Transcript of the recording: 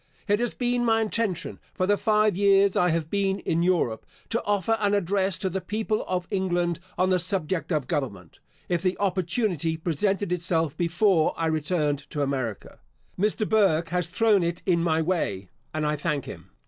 It has been my intention for the five years I have been in Europe, to offer an address to the people of England on the subject of government, if the opportunity presented itself before I returned to America. Mr. Burke has thrown it in my way, and I thank him.